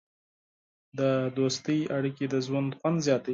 د دوستۍ اړیکې د ژوند خوند زیاتوي.